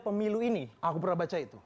pemilu ini aku pernah baca itu